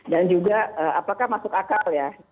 dan juga apakah masuk akal ya